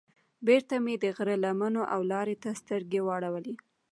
بېرته مې د غره لمنو او لارې ته سترګې واړولې.